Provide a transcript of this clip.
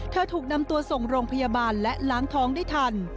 ถูกนำตัวส่งโรงพยาบาลและล้างท้องได้ทัน